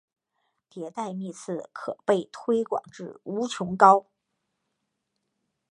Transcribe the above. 迭代幂次可被推广至无穷高。